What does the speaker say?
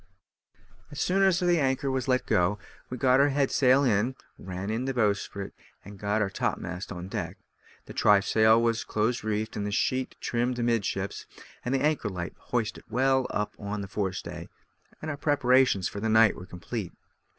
As soon as the anchor was let go, we got our head sail in, ran in the bowsprit, and got our topmast on deck; the trysail was close reefed, and the sheet trimmed amidships, the anchor light hoisted well up on the fore stay, and our preparations for the night were complete.